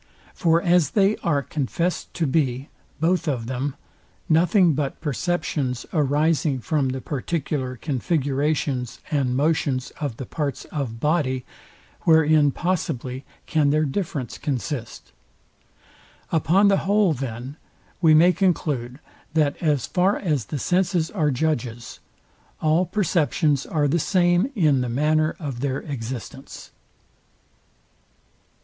For as they are confest to be, both of them, nothing but perceptions arising from the particular configurations and motions of the parts of body, wherein possibly can their difference consist? Upon the whole, then, we may conclude, that as far as the senses are judges, all perceptions are the same in the manner of their existence.